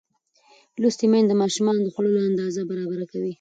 لوستې میندې د ماشومانو د خوړو اندازه برابره کوي.